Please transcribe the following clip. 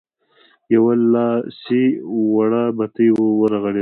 يوه لاسي وړه بتۍ ورغړېده.